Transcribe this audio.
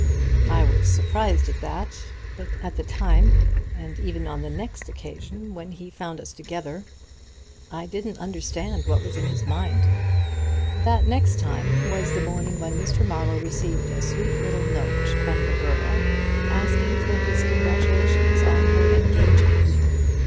I was surprised at that, but at that time and even on the next occasion when he found us together I didn't understand what was in his mind. That next time was the morning when Mr. Marlowe received a sweet little note from the girl asking for his congratulations on her engagement.